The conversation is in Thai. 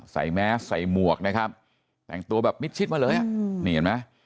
ใส่แมสใส่หมวกแต่งตัวแบบมิดชิดมาเลย